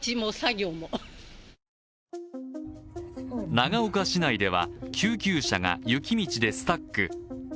長岡市内では、救急車が雪道でスタック。